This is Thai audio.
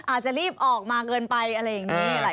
อาจจะรีบออกมาเกินไปอะไรอย่างนี้